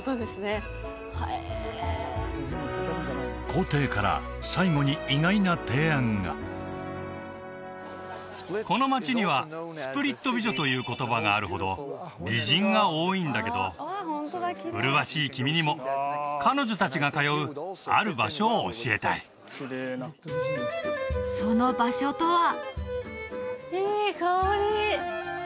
皇帝から最後に意外な提案がこの街にはスプリット美女という言葉があるほど美人が多いんだけど麗しい君にも彼女達が通うある場所を教えたいその場所とはいい香り！